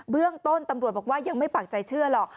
เรื่องต้นตำรวจบอกว่ายังไม่ปากใจเชื่อหรอก